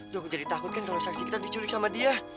loh aku jadi takut kan kalau saksi kita diculik sama dia